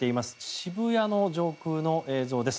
渋谷の上空の映像です。